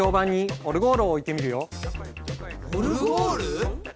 オルゴール？